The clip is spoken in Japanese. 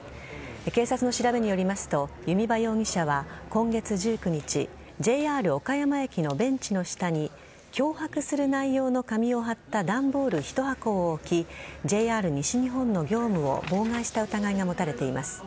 警察の調べによりますと弓場容疑者は今月１９日ＪＲ岡山駅のベンチの下に脅迫する内容の紙を貼った段ボール１箱を置きＪＲ西日本の業務を妨害した疑いが持たれています。